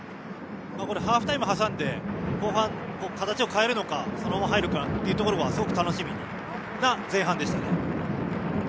ハーフタイム挟んで後半、形を変えるのかそのまま入るのかがすごく楽しみな前半ですね。